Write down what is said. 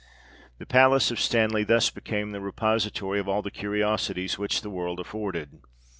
The palace of Stanley thus became the repository of all the curiosities which the world afforded.